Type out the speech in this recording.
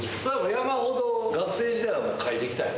山ほど学生時代はかいてきたよ。